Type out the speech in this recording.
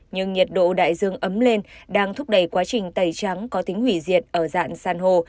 nhưng nhiệt độ đại dương ấm lên đang thúc đẩy quá trình tẩy trắng có tính hủy diệt ở dạng san hô